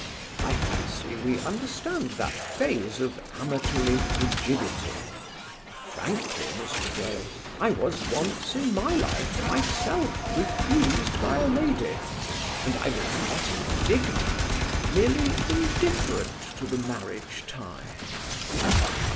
I fancy we understand that phase of amatory frigidity. Frankly, Mr. Dale, I was once in my life myself refused by a lady, and I was not indignant, merely indifferent to the marriage tie."